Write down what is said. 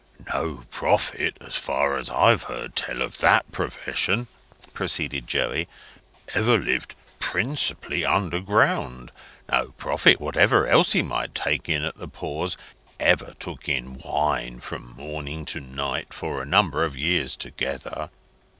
"No prophet, as far as I've heard I tell of that profession," proceeded Joey, "ever lived principally underground. No prophet, whatever else he might take in at the pores, ever took in wine from morning to night, for a number of years together.